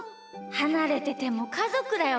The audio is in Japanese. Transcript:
はなれててもかぞくだよね！